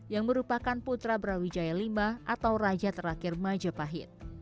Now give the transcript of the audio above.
yang merupakan putra brawijaya v atau raja terakhir majapahit